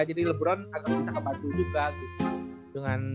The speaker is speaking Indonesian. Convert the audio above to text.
jadi lebron bisa ngebantu juga gitu